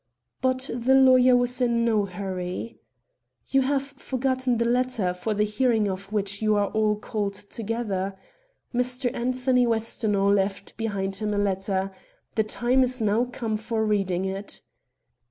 But the lawyer was in no hurry. "You have forgotten the letter, for the hearing of which you are called together. Mr. Anthony Westonhaugh left behind him a letter. The time is now come for reading it."